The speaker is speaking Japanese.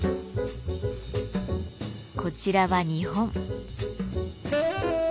こちらは日本。